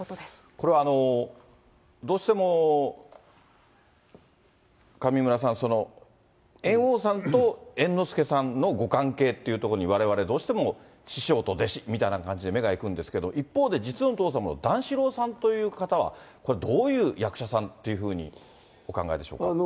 これ、どうしても上村さん、猿翁さんと猿之助さんのご関係っていうところにわれわれどうしても師匠と弟子みたいな感じで目が行くんですけど、一方で実のお父様の段四郎さんという方は、これ、どういう役者さんっていうふうにお考えでしょうか。